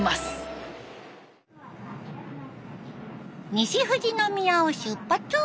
西富士宮を出発！